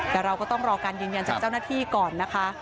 แต่เราก็ต้องรอการยืนยันจากเจ้าหน้าที่ก่อนนะคะ